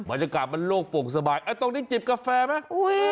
บรรยากาศมันโลกโป่งสบายตรงนี้จิบกาแฟไหม